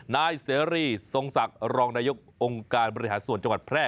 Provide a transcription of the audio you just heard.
นายเสรีทรงศักดิ์รองนายกองค์การบริหารส่วนจังหวัดแพร่